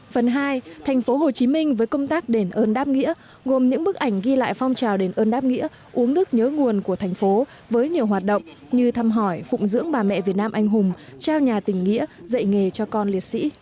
phần hai thành phố hồ chí minh với công tác đền ơn đáp nghĩa gồm những bức ảnh ghi lại phong trào đền ơn đáp nghĩa uống nước nhớ nguồn của thành phố với nhiều hoạt động như thăm hỏi phụng dưỡng bà mẹ việt nam anh hùng trao nhà tình nghĩa dạy nghề cho con liệt sĩ